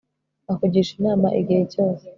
Ndakugisha inama igihe cyose